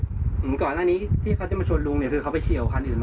เหมือนก่อนอันนี้ที่เขาจะมาชนลุงคือเขาไปเชี่ยวคันอื่นมาก่อน